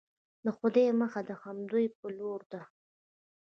د خدای مخه د همدوی په لورې ده.